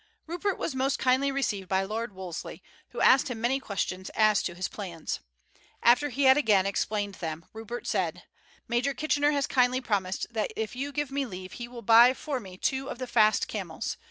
Rupert was most kindly received by Lord Wolseley, who asked him many questions as to his plans. After he had again explained them Rupert said: "Major Kitchener has kindly promised that if you give me leave he will buy for me two of the fast camels.